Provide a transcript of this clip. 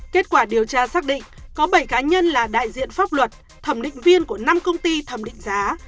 kết quả điều tra xác định có bảy cá nhân là đại diện pháp luật thẩm định viên của năm công ty thẩm định giá